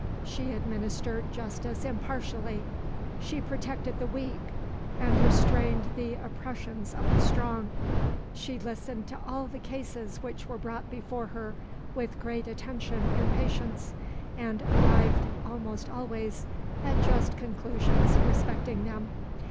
She administered justice impartially. She protected the weak, and restrained the oppressions of the strong. She listened to all the cases which were brought before her with great attention and patience, and arrived almost always at just conclusions respecting them.